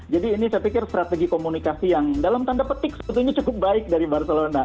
jadi ini saya pikir strategi komunikasi yang dalam tanda petik sebetulnya cukup baik dari barcelona